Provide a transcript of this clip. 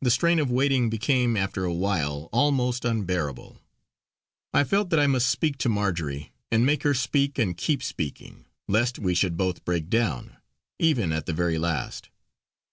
The strain of waiting became after a while almost unbearable; I felt that I must speak to Marjory, and make her speak and keep speaking, lest we should both break down, even at the very last.